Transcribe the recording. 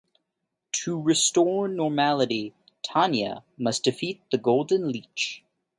To restore normality, Tanya must defeat the Golden Leech.